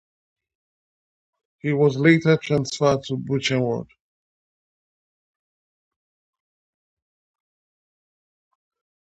He was later transferred to Buchenwald.